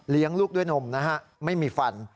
ลูกด้วยนมนะฮะไม่มีฟัน